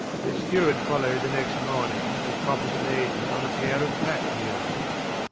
His steward followed the next morning with coffers laden on a pair of pack mules.